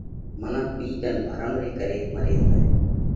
منک ٻِيڪ ان ڀرم ري ڪري مري زائه۔